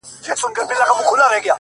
سیاه پوسي ده. دا دی لا خاندي.